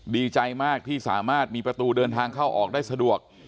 ดีใจมากที่สามารถมีประตูเดินทางเข้าออกได้สะดวก